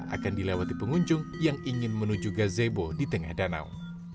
akan dilewati pengunjung yang ingin menuju gazebo di tengah danau